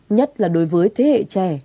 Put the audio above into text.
nhất là đối với thế hệ trẻ